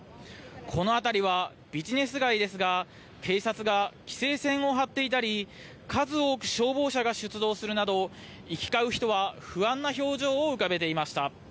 この辺りはビジネス街ですが、警察が規制線を張っていたり、数多く消防車が出動するなど、行き交う人は不安な表情を浮かべていました。